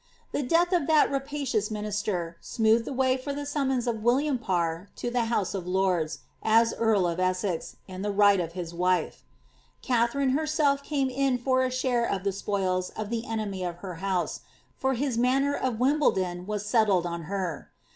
The death of that linister smoothed the way for the summons of William Parr e of lords, as earl of Essex, in the right of his wife.' Katha came in for a share of the spoils of the enemy of her house, lor of Wimbledon was settled on her.